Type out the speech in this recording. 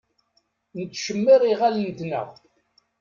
Nettcemmiṛ iɣallen-nteɣ.